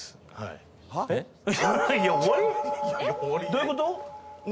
どういうこと？